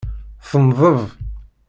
Tenḍeb.